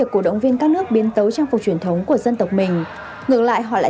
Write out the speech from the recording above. một số cổ động viên đã bắt đầu bắt đầu bắt đầu bắt đầu bắt đầu bắt đầu